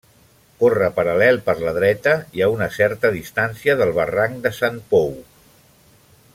Corre paral·lel per la dreta, i a una certa distància, del barranc de Sant Pou.